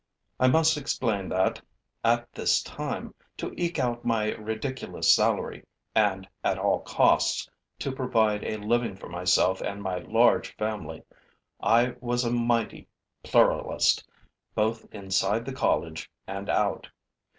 I must explain that, at this time, to eke out my ridiculous salary and, at all costs, to provide a living for myself and my large family, I was a mighty pluralist, both inside the college and out.